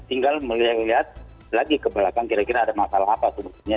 tinggal melihat lagi ke belakang kira kira ada masalah apa sebetulnya